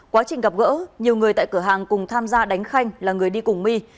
quá trình gặp gỡ nhiều người tại cửa hàng cùng tham gia đánh khanh là người đi cùng my